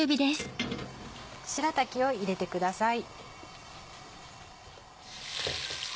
しらたきを入れてください。